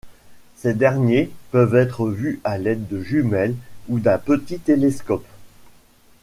Ces derniers peuvent être vus à l'aide de jumelles ou d'un petit télescope.